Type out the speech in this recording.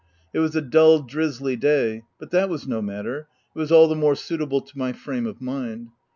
It was a dull, drizzly day ; but that was no mat ter : it was all the more suitable to my frame of mind.